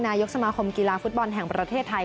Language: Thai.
นายกสมาคมกีฬาฟุตบอลแห่งประเทศไทย